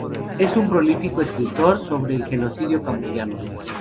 Es un prolífico escritor sobre el Genocidio camboyano.